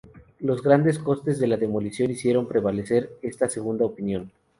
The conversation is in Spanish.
Los grandes costes de la demolición hicieron prevalecer esta segunda opinión.